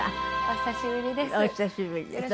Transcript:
お久しぶりです。